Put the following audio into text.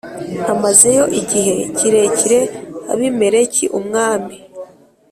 Amazeyo igihe kirekire abimeleki umwami